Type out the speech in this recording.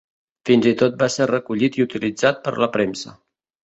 Fins i tot va ser recollit i utilitzat per la premsa.